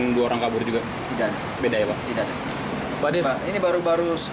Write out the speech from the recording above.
mereka melakukan penyelidikan terkait peristiwa ini